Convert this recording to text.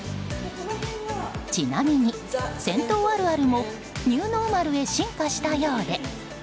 ちなみに、銭湯あるあるもニューノーマルへ進化したようで。